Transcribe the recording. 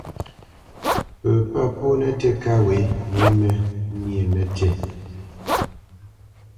Pə pâ pó nətí kâ wě məníénə nətí.